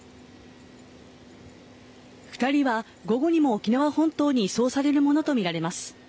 ２人は午後にも沖縄本島に移送されるものと見られます。